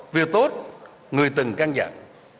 việc tốt người từng căng dặn